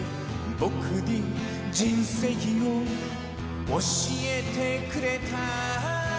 ぼくに人生を教えてくれた